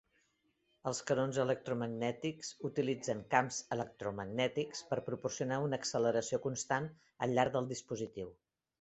Els canons electromagnètics utilitzen camps electromagnètics per proporcionar una acceleració constant al llarg del dispositiu.